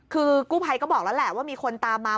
คือกู้ภัยก็บอกแล้วแหละว่ามีคนตามมา